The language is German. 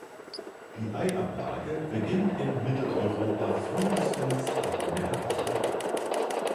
Die Eiablage beginnt in Mitteleuropa frühestens ab Mitte April.